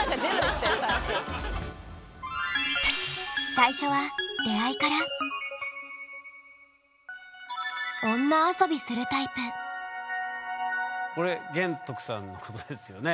最初はこれ玄徳さんのことですよね？